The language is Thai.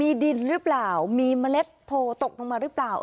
มีดินหรือเปล่ามีเมล็ดโพลตกลงมาหรือเปล่า